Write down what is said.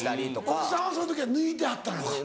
奥さんその時抜いてはったのか。